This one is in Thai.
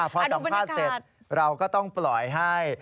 พอสัมภาษณ์เสร็จเราก็ต้องปล่อยให้